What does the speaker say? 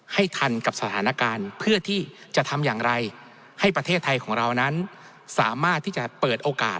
ทันกับสถานการณ์เพื่อที่จะทำอย่างไรให้ประเทศไทยของเรานั้นสามารถที่จะเปิดโอกาส